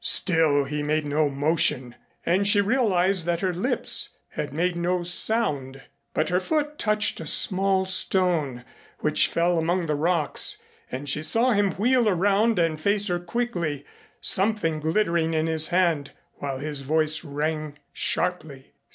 Still he made no motion, and she realized that her lips had made no sound. But her foot touched a small stone, which fell among the rocks, and she saw him wheel around and face her quickly, something glittering in his hand, while his voice rang sharply.